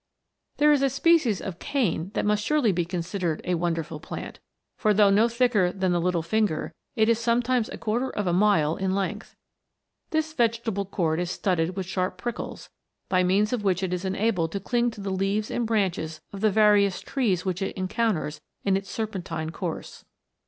There is a species of cane that must surely be considered a wonderful plant, for, though no thicker than the little finger, it is sometimes a quarter of a mile in length. This vegetable cord is studded with sharp prickles, by means of which it is enabled to cling to the leaves and branches of the various trees which it encounters in its serpentine course.